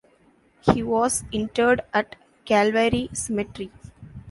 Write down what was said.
He was interred at Calvary Cemetery.